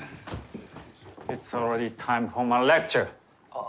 ああ。